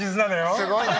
すごいね。